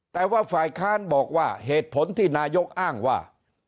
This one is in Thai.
แต่ว่าฝ่ายค้านบอกว่าเหตุผลที่นายกอ้างว่า